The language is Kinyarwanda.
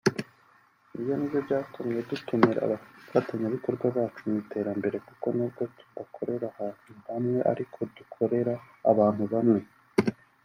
Ibyo ni byo byatumye dutumira abafatanyabikorwa bacu mu iterambere kuko nubwo tudakorera ahantu hamwe ariko dukorera abantu bamwe